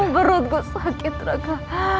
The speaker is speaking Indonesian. berutku sakit raga